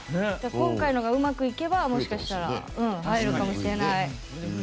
今回のがうまくいけばもしかしたら入るかもしれない。